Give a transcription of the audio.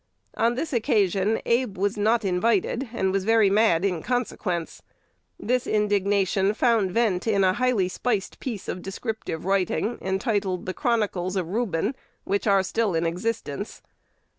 On this occasion Abe was not invited, and was very "mad" in consequence. This indignation found vent in a highly spiced piece of descriptive writing, entitled "The Chronicles of Reuben," which are still in existence.